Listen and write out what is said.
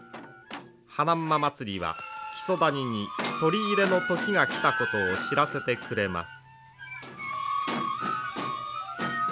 花馬祭りは木曽谷に取り入れの時が来たことを知らせてくれます。